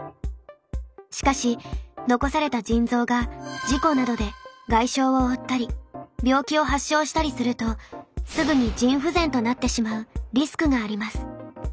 しかし残された腎臓が事故などで外傷を負ったり病気を発症したりするとすぐに腎不全となってしまうリスクがあります。